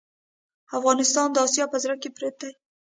افغانستان د اسیا په زړه کې پروت دی